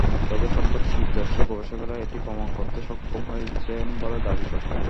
তবে সম্প্রতি যুক্তরাষ্ট্রের গবেষকেরা এটি প্রমাণ করতে সক্ষম হয়েছেন বলে দাবি করছেন।